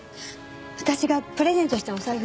私がプレゼントしたお財布。